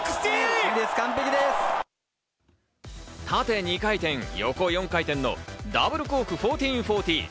縦２回転、横４回転のダブルコーク１４４０。